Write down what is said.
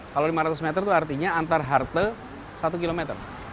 kalau lima ratus meter itu artinya antar halte satu kilometer